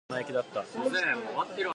私の朝ご飯はパンと目玉焼きだった。